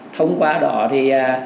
thông qua đó thì